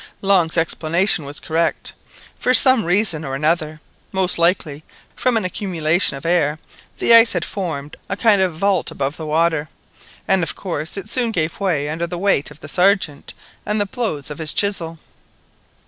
Long's explanation was correct; for some reason or another—most likely from an accumulation of air the ice had formed a kind of vault above the water, and of course it soon gave way under the weight of the Sergeant and the blows of his chisel.